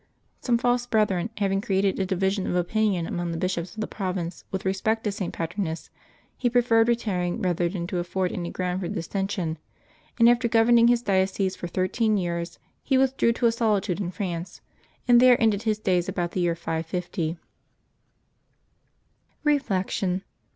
Some false brethren having created a division of opinion among the bishops of the province with respect to St. Pa ternus, he preferred retiring rather than to afford any ground for dissension, and, after governing his diocese for thirteen years, he withdrew to a solitude in France, and there ended his days about the year 550. Reflection.